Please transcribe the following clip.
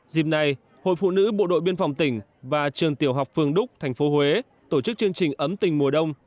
dịp này hội phụ nữ bộ đội biên phòng tỉnh và trường tiểu học phương đúc thành phố huế tổ chức chương trình ấm tình mùa đông